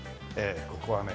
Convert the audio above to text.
ここはね